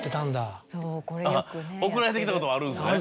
送られてきたことはあるんですね。